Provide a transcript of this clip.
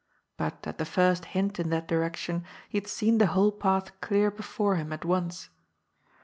But at the first hint in that direction, he had seen the whole path clear before him at once.